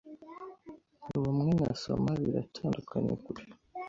Ubumwe na soma!biratandukanye kure